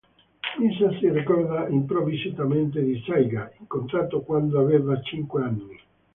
Misa si ricorda improvvisamente di Saiga, incontrato quando aveva cinque anni.